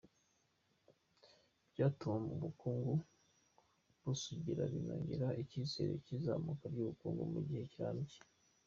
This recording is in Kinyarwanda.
Byatumye ubukungu busugira, binongera icyizere cy’izamuka ry’ubukungu mu gihe kirambye.”